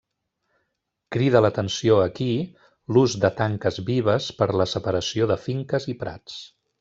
Crida l'atenció aquí l'ús de tanques vives per a la separació de finques i prats.